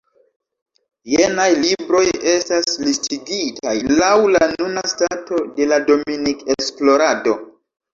Jenaj libroj estas listigitaj lau la nuna stato de la Dominik-esplorado.